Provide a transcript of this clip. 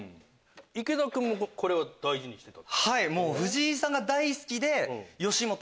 池田君これは大事にしてた。